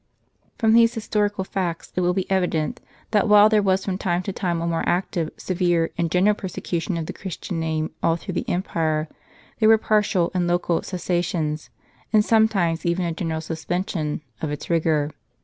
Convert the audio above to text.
From these historical facts it will be evident, that while there was from time to time a more active, severe, and general persecution of the Christian name all through the empire, there were partial and local cessations, and sometimes even a general suspension, of its rigor.